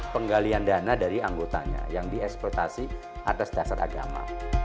penggalian dana dari anggotanya yang dieksploitasi atas dasar agama